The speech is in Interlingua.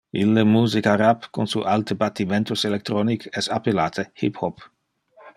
Ille musica rap, con su alte battimentos electronic, es appellate hip-hop.